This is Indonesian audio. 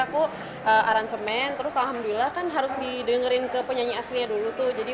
aku aransemen terus alhamdulillah kan harus didengerin ke penyanyi aslinya dulu tuh jadi